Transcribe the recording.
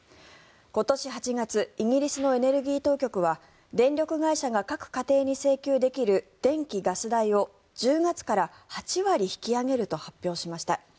今年８月イギリスのエネルギー当局は電力会社が各家庭に請求できる電気・ガス代を１０月から８割引き上げると発表しました。